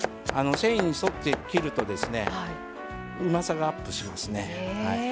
繊維に沿って切るとうまさがアップしますね。